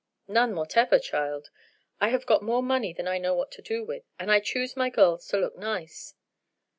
"None whatever, child. I have got more money than I know what to do with, and I choose my girls to look nice.